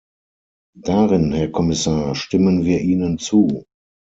Darin, Herr Kommissar, stimmen wir Ihnen zu.